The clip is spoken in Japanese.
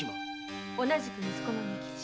同じく息子の仁吉。